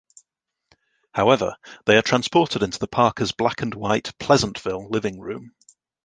However, they are transported into the Parkers' black and white "Pleasantville" living room.